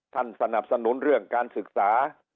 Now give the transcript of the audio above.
สนับสนุนเรื่องการศึกษา